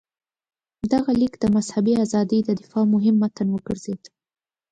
دغه لیک د مذهبي ازادۍ د دفاع مهم متن وګرځېد.